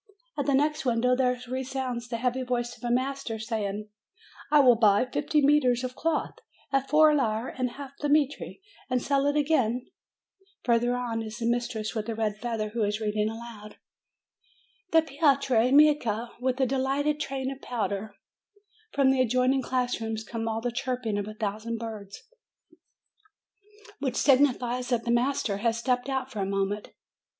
At the next window there resounds the heavy voice of a master, saying : "I will buy fifty metres of cloth at four lire and a half the metre and sell it again Further on there is the mistress with the red feather, who is reading aloud : "Then Pietro Micca, with the lighted train of pow der" From the adjoining class room comes the chirping of a thousand birds, which signifies that the master has stepped out for a moment.